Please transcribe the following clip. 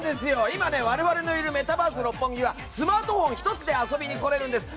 今、我々のいるメタバース六本木はスマートフォン１つで遊びに来れるんです。